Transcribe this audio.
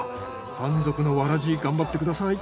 三足のわらじ頑張ってください。